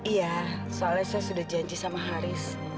iya soalnya saya sudah janji sama haris